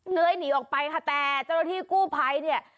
หลอยหนีออกไปค่ะแต่จริงว่าที่กู้ไพด์เนี่ย